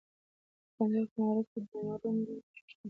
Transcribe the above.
د کندهار په معروف کې د مرمرو نښې شته.